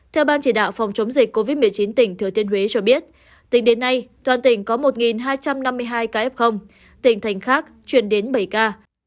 theo ban chỉ đạo phòng chống dịch covid một mươi chín tỉnh thừa thiên huế cho biết tính đến nay toàn tỉnh có một hai trăm năm mươi hai ca f tỉnh thành khác chuyển đến bảy ca